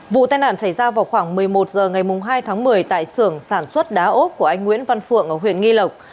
vụ tai nạn xảy ra vào khoảng một mươi một h ngày hai tháng một mươi tại sưởng sản xuất đá ốp của anh nguyễn văn phượng ở huyện nghi lộc